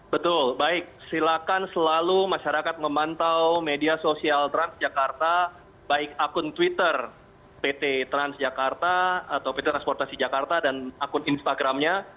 betul baik silakan selalu masyarakat memantau media sosial transjakarta baik akun twitter pt transjakarta atau pt transportasi jakarta dan akun instagramnya